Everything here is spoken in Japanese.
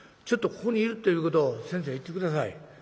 ちょっとここにいるっていうことを先生言って下さい。